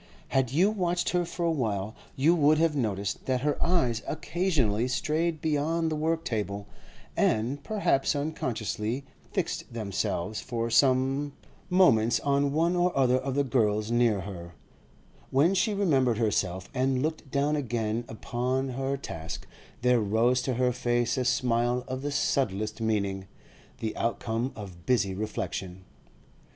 Had you watched her for a while, you would have noticed that her eyes occasionally strayed beyond the work table, and, perhaps unconsciously, fixed themselves for some moments on one or other of the girls near her; when she remembered herself and looked down again upon her task, there rose to her face a smile of the subtlest meaning, the outcome of busy reflection.